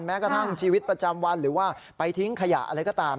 แม้กระทั่งชีวิตประจำวันหรือว่าไปทิ้งขยะอะไรก็ตาม